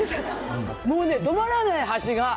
もうね、止まらない、箸が。